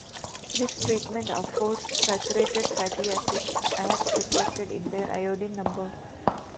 This treatment affords saturated fatty acids, as reflected in their iodine number.